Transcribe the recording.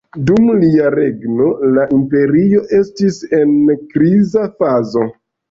Dum lia regno la imperio estis en kriza fazo.